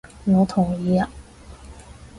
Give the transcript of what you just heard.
我同意啊！